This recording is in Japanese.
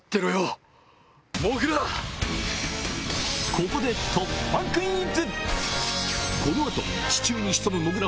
ここで突破クイズ！